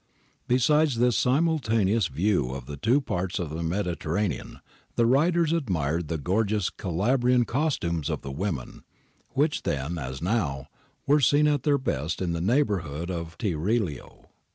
Besides this simultaneous view of the two parts of the Mediterranean, the riders admired the gorgeous Calabrian costumes of the women which, then as now, were seen at their best in the neighbourhood of Tiriolo.